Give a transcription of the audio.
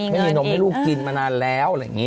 ไม่มีนมให้ลูกกินมานานแล้ว